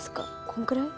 こんくらい？